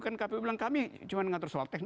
kan kpu bilang kami cuma mengatur soal teknis